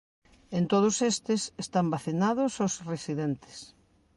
En todos estes están vacinados os residentes.